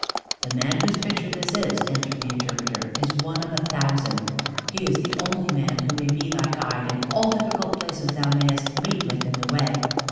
"The man whose picture this is," answered the Interpreter, "is one of a thousand. He is the only man who may be thy guide in all difficult places thou mayest meet with in the way.